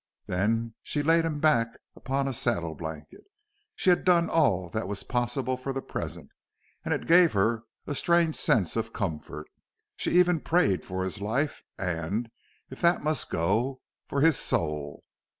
Then she laid him back upon a saddle blanket. She had done all that was possible for the present, and it gave her a strange sense of comfort. She even prayed for his life, and, if that must go, for his soul.